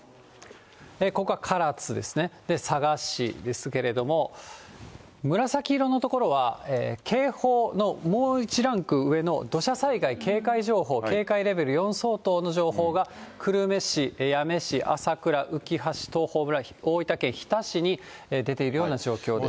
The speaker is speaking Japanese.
ここが唐津ですね、佐賀市ですけれども、紫色の所は、警報のもう１ランク上の土砂災害警戒情報、警戒レベル４相当の情報が久留米市、八女市、あさくら、うきは市、東峰村、大分県日田市に出ているような状況です。